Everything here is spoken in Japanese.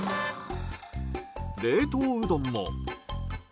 冷凍うどんも。